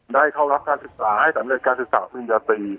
เข้ารับการศึกษาให้สำเร็จการศึกษาปริญญาตรี